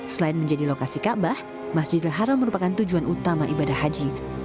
selain menjadi lokasi kaabah masjidil haram merupakan tujuan utama ibadah haji